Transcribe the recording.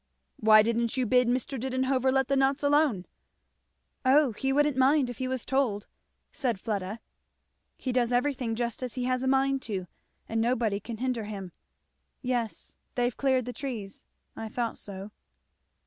"Why didn't you bid Mr. Didenhover let the nuts alone?" "O he wouldn't mind if he was told," said Fleda. "He does everything just as he has a mind to, and nobody can hinder him. Yes they've cleared the trees I thought so."